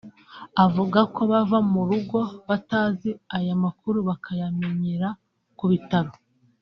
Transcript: Avuga ko bava mu rugo batazi aya makuru bakayamenyera ku bitaro